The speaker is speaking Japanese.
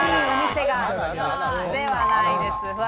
ではないです。